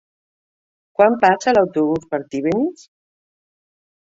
Quan passa l'autobús per Tivenys?